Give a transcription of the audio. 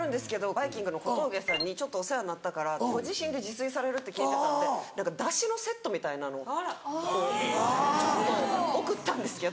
バイきんぐの小峠さんにちょっとお世話になったからご自身で自炊されるって聞いてたんでダシのセットみたいなのをちょっと贈ったんですけど。